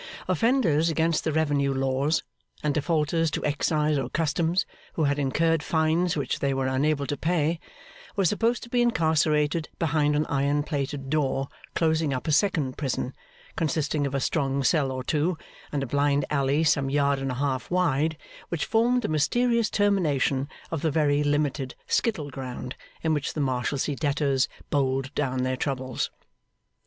Offenders against the revenue laws, and defaulters to excise or customs who had incurred fines which they were unable to pay, were supposed to be incarcerated behind an iron plated door closing up a second prison, consisting of a strong cell or two, and a blind alley some yard and a half wide, which formed the mysterious termination of the very limited skittle ground in which the Marshalsea debtors bowled down their troubles.